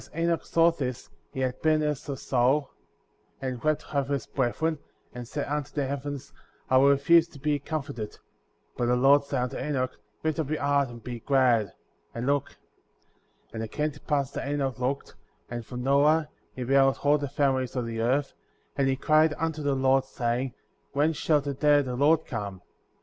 And as Enoch saw this, he had bitterness of soul, and wepf* over his brethren, and said unto the heavens : I will refuse to be comforted ; but the Lord said* unto Enoch: Lift up your heart, and be glad; and look.* 45. And it came to pass that Enoch looked; and from Noah, he beheld all the families of the earth ; and he cried unto the Lord, saying : When shall the day of the Lord come?